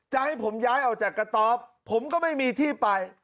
จะให้ผมย้ายออกจากกระต๊อบผมก็ไม่มีที่ไป